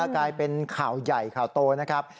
กลายเป็นข่าวใหญ่ข่าวโตนะครับ